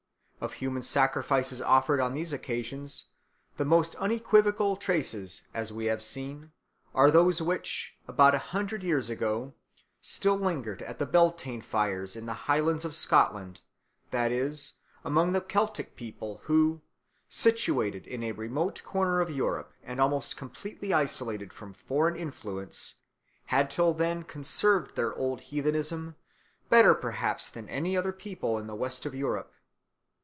Of human sacrifices offered on these occasions the most unequivocal traces, as we have seen, are those which, about a hundred years ago, still lingered at the Beltane fires in the Highlands of Scotland, that is, among a Celtic people who, situated in a remote corner of Europe and almost completely isolated from foreign influence, had till then conserved their old heathenism better perhaps than any other people in the West of Europe.